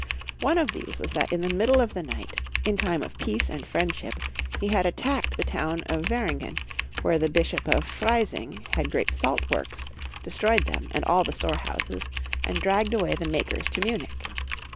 One of these was that in the middle of the night, in time of peace and friendship, he had at tacked the town of Veringen, where the bishop of Freising had great salt works, destroyed them and all the storehouses, and dragged away the makers to Munich.